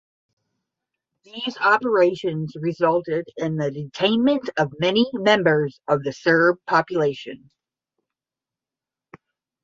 These operations resulted in the detainment of many members of the Serb population.